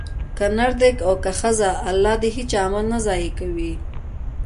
که نر دی او که ښځه؛ الله د هيچا عمل نه ضائع کوي